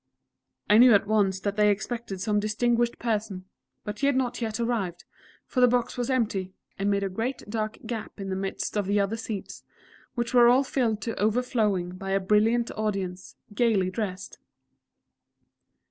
I knew at once that they expected some distinguished person; but he had not yet arrived, for the box was empty, and made a great dark gap in the midst of the other seats, which were all filled to overflowing by a brilliant audience, gaily dressed.